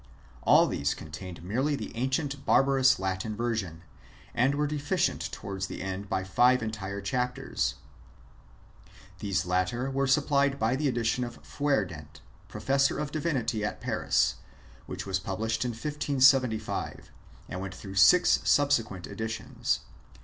All these contained merely the ancient barbarous Latin version, and were deficient towards the end by five entire chapters. These latter were supplied by the edition of Feuardent, Professor of Divinity at Paris, which was published in 1575, and went through six subsequent editions.